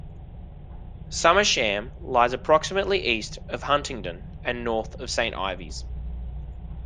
Somersham lies approximately east of Huntingdon and north of Saint Ives.